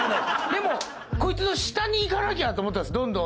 でもこいつの下にいかなきゃと思ったんですどんどん。